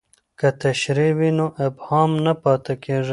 که تشریح وي نو ابهام نه پاتې کیږي.